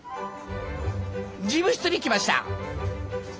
事務室に来ました。